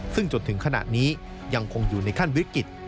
ซึ่งจนถึงขณะนี้ยังคงอยู่ในขั้นวิกฤต